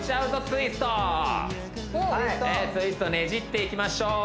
ツイストツイストねじっていきましょう